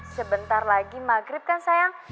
sebentar lagi maghrib kan sayang